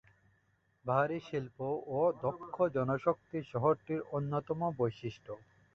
ভারী শিল্প ও দক্ষ জনশক্তি শহরটির অন্যতম বৈশিষ্ট্য।